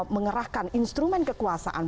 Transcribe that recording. mengerahkan instrumen kekuasaan